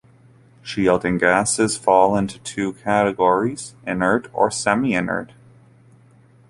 Shielding gases fall into two categories-inert or semi-inert.